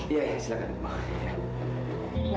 ya ya silahkan ibu